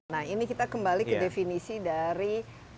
nah ini kita kembali ke definisi dari